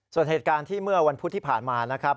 ส่วนเหตุการณ์ที่เมื่อวันพุธที่ผ่านมานะครับ